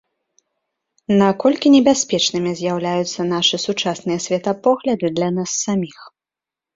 Наколькі небяспечнымі з'яўляюцца нашы сучасныя светапогляды для нас саміх.